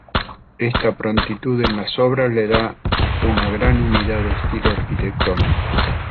Esta prontitud en las obras le da una gran unidad de estilo arquitectónico.